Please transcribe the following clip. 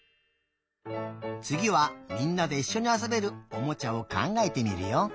つぎはみんなでいっしょにあそべるおもちゃをかんがえてみるよ。